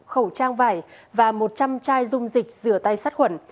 khẩu trang vải và một trăm linh chai dung dịch rửa tay sát khuẩn